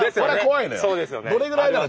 どれぐらいなの？